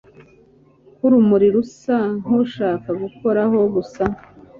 ko urumuri rusa nkushaka gukoraho gusa